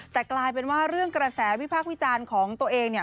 แต่กลายเป็นว่าเรื่องกระแสวิพากษ์วิจารณ์ของตัวเองเนี่ย